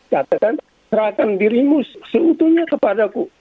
katakan serahkan dirimu seutuhnya kepada ku